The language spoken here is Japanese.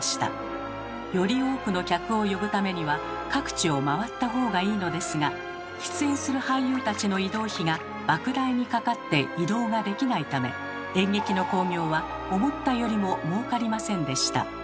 より多くの客を呼ぶためには各地を回ったほうがいいのですが出演する俳優たちの移動費がばく大にかかって移動ができないため演劇の興行は思ったよりももうかりませんでした。